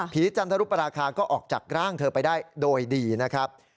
จันทรุปราคาก็ออกจากร่างเธอไปได้โดยดีนะครับ